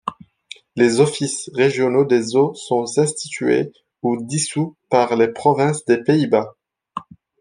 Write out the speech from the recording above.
Les offices régionaux des eaux sont institués ou dissous par les provinces des Pays-Bas.